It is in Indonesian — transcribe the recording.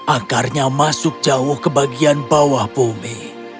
akarnya masuk jauh ke bagian bawah bumi